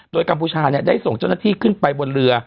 โดยกัมพูชาได้ส่งเจ้าหน้าที่ขึ้นไปบนเรือ